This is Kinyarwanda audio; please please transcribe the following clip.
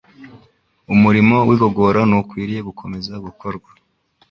Umurimo w’igogora ntukwiriye gukomeza gukorwa